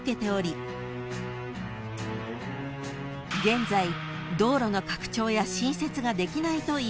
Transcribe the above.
［現在道路の拡張や新設ができないといいます］